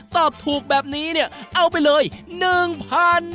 ตอบถูกแบบนี้เนี่ยเอาไปเลย๑๐๐๐บาท